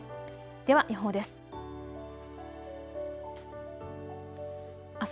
では予報です。